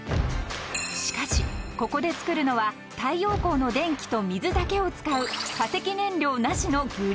［しかしここで作るのは太陽光の電気と水だけを使う化石燃料なしの］